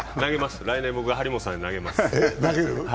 来年、僕が張本さんに投げます。